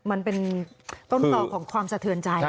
มันเป็นต้นต่อของความสะเทือนใจ